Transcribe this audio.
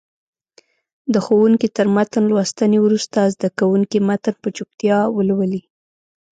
د ښوونکي تر متن لوستنې وروسته زده کوونکي متن په چوپتیا ولولي.